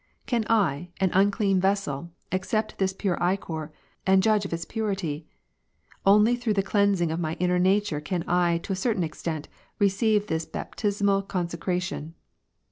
'' Can I, an unclean vessel, accept this pure ichor and judge of its purity ? Only through the cleansing of my inner nature, can I, to a certain extent, receive this baptismal consecra tion."